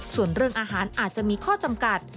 ส่วนเรื่องอาหารอาจจะมีข้อจำกัด